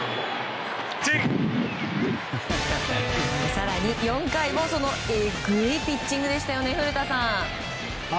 更に４回もそのエグいピッチングでしたよね古田さん。